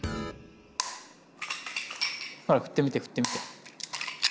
ほら振ってみて振ってみて。